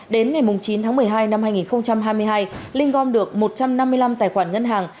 đến ngày chín tháng một mươi hai năm hai nghìn hai mươi hai linh gom được một trăm năm mươi năm tài khoản ngân hàng